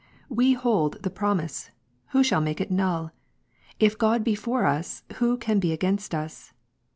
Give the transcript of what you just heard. We hold the promise, who shall make it null ? If God be for us, who can he against us